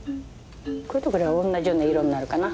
これとこれはおんなじような色になるかな。